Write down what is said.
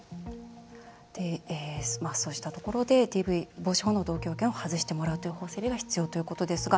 そうしたところでＤＶ防止法の同居要件を外してもらうという法整備が必要ということですが。